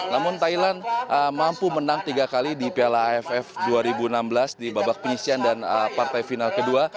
namun thailand mampu menang tiga kali di piala aff dua ribu enam belas di babak penyisian dan partai final kedua